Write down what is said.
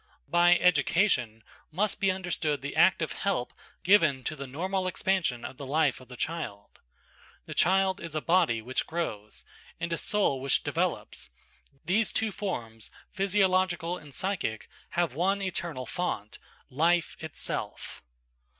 By education must be understood the active help given to the normal expansion of the life of the child. The child is a body which grows, and a soul which de develops,–these two forms, physiological and psychic, have one eternal font, life itself.